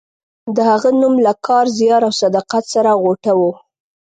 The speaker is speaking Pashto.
د هغه نوم له کار، زیار او صداقت سره غوټه و.